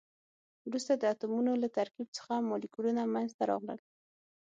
وروسته د اتمونو له ترکیب څخه مالیکولونه منځ ته راغلل.